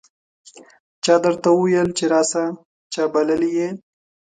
چا درته وویل چې راسه ؟ چا بللی یې